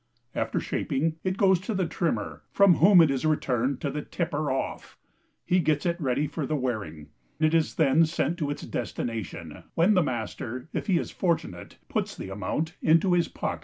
After shaping, it goes to the trimmer, from whom it is returned to the TIPPER OFF; he gets it ready for wearing; it is then sent to its destination, when the master, if he is fortunate, puts the amount into his pocket.